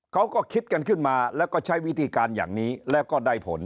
เขาก็คิดกันขึ้นมาแล้วก็ใช้วิธีการอย่างนี้แล้วก็ได้ผล